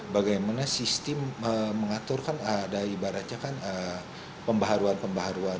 bagaimana sistem mengatur kan ada ibaratnya kan pembaharuan pembaharuan